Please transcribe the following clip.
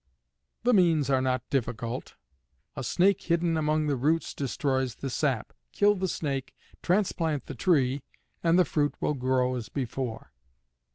"The means are not difficult. A snake hidden among the roots destroys the sap. Kill the snake, transplant the tree, and the fruit will grow as before."